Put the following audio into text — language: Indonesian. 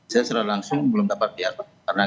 saya sudah langsung belum dapat lihat